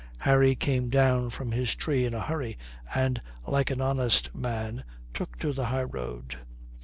Harry came down from his tree in a hurry and, like an honest man, took to the high road.